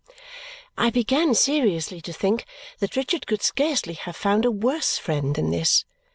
'" I began seriously to think that Richard could scarcely have found a worse friend than this.